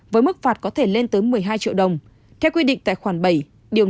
với mức phạt có thể lên tới một mươi hai triệu đồng theo quy định tài khoản bảy điều